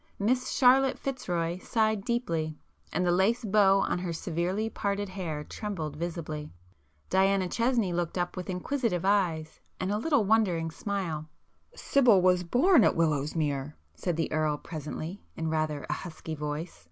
Miss Charlotte Fitzroy sighed deeply, and the lace bow on her severely parted hair trembled visibly. Diana Chesney looked up with inquisitive eyes and a little wondering smile. "Sibyl was born at Willowsmere,"—said the Earl presently in rather a husky voice.